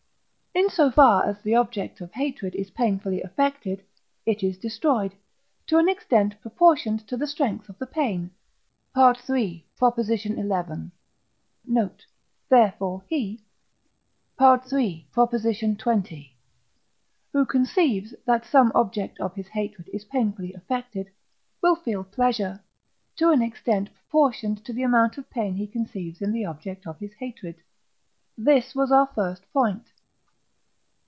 In so far as an object of hatred is painfully affected, it is destroyed, to an extent proportioned to the strength of the pain (III. xi. note). Therefore, he (III. xx.) who conceives, that some object of his hatred is painfully affected, will feel pleasure, to an extent proportioned to the amount of pain he conceives in the object of his hatred. This was our first point.